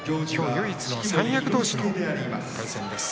唯一の三役同士の対戦です。